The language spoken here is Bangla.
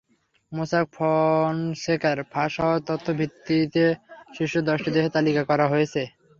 মোসাক ফনসেকার ফাঁস হওয়া তথ্যের ভিত্তিতে শীর্ষ দশটি দেশের তালিকা করা হয়েছে।